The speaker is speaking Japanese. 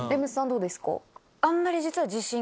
どうですか？